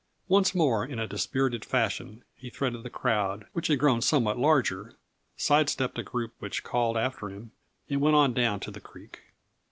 Once more in a dispirited fashion he threaded the crowd, which had grown somewhat larger, side stepped a group which called after him, and went on down to the creek.